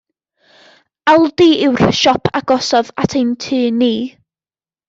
Aldi yw'r siop agosaf at ein tŷ ni.